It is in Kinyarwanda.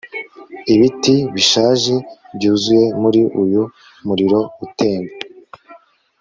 ibiti bishaje, byuzuye muri uyu muriro utemba